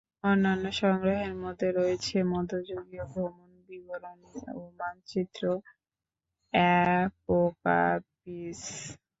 অন্যান্য সংগ্রহের মধ্যে রয়েছে মধ্যযুগীয় ভ্রমণ বিবরণী ও মানচিত্র, অ্যাপোক্যাপিপস।